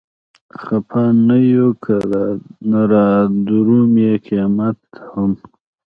خپه نه يو که رادرومي قيامت هم